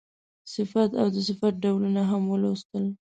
صفت او د صفت ډولونه هم ولوستل.